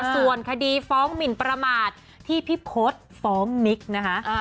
ส่วนคดีฟ้องหมินประมาทที่พี่พศฟ้องนิกนะคะ